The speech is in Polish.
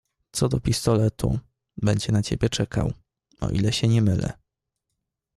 "Co do pistoletu, będzie na ciebie czekał, o ile się nie mylę."